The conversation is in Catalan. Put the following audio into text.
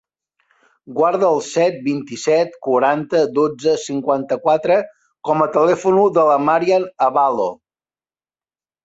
Guarda el set, vint-i-set, quaranta, dotze, cinquanta-quatre com a telèfon de la Màriam Abalo.